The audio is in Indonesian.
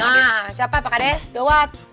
nah siapa pak hades gawat